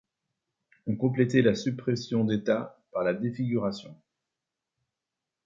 On complétait la suppression d’état par la défiguration.